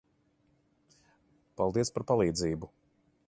Paldies par palīdzību.